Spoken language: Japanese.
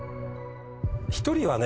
１人はね